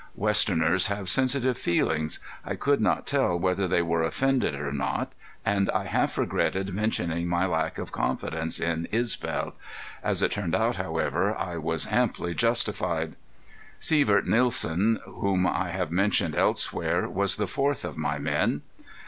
Westerners have sensitive feelings. I could not tell whether they were offended or not, and I half regretted mentioning my lack of confidence in Isbel. As it turned out, however, I was amply justified. Sievert Nielsen, whom I have mentioned elsewhere, was the fourth of my men.